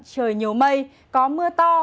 trời nhiều mây có mưa to